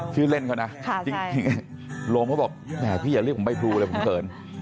ชื่อเล่นเขานะจริงโรงเขาบอกแหมพี่อย่าเรียกผมใบพลูเลยผมเขิน